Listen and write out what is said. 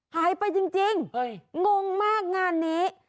หายไปจริงงงมากงานนี้